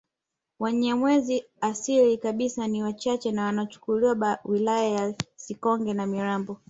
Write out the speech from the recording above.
Wanyamwezi asili kabisa ni wachache na wanachukua wilaya ya Sikonge na Mirambo